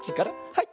はい。